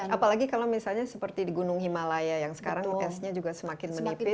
apalagi kalau misalnya seperti di gunung himalaya yang sekarang tesnya juga semakin menipis